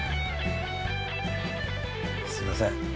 すみません。